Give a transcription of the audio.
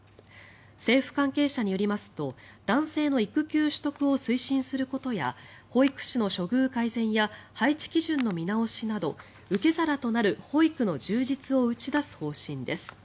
政府関係者によりますと男性の育休取得を推進することや保育士の処遇改善や配置基準の見直しなど受け皿となる保育の充実を打ち出す方針です。